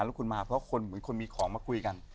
แล้วคุณมาเพราะคนเหมือนคนมีของมาคุยกัน